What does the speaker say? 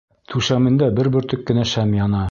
Түшәмендә бер бөртөк кенә шәм яна.